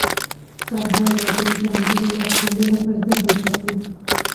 فرهنګ او دین ځانګړي مفهومونه پر ذهن تپي.